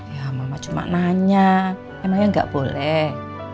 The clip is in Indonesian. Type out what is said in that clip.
ya mama cuma nanya emang ya gak boleh